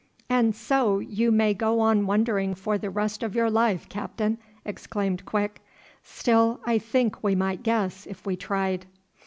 "And so you may go on wondering for the rest of your life, Captain," exclaimed Quick. "Still, I think we might guess if we tried."